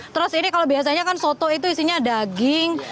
terus ini kalau biasanya kan soto itu isinya daging